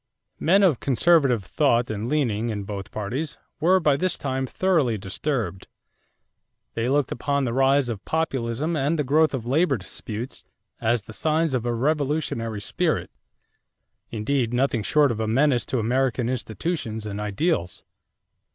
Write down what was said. = Men of conservative thought and leaning in both parties were by this time thoroughly disturbed. They looked upon the rise of Populism and the growth of labor disputes as the signs of a revolutionary spirit, indeed nothing short of a menace to American institutions and ideals.